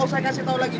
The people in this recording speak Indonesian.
dan saya kasih tahu lagi